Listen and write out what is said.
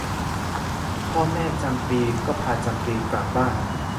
พ่อแม่จำปีก็พาจำปีกลับบ้าน